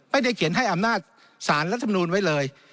ไม่ได้เขียนให้อำนาจสารรัฐมนูลไว้เลย